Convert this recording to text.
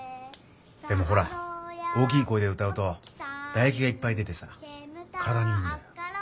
でもほら大きい声で歌うとだえきがいっぱい出てさ体にいいんだよ。